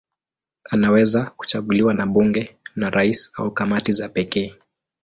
Anaweza kuchaguliwa na bunge, na rais au kamati za pekee.